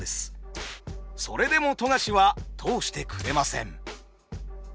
それでも富樫は通してくれません。